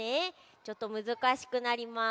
ちょっとむずかしくなります。